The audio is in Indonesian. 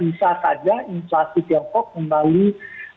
bisa saja inflasi tiongkok